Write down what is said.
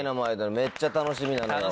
めっちゃ楽しみなんだけど。